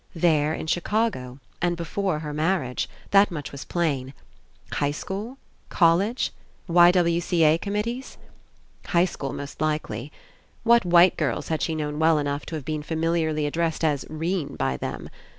There, in Chicago. And before her marriage. That much was plain. High school? College? Y. W. C. A. committees? High school, most likely. What white girls had she known well enough to have been familiarly addressed as 'Rene by them?